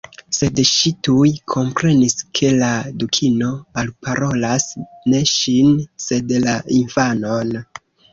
Sed ŝi tuj komprenis ke la Dukino alparolas ne ŝin sed la infanon.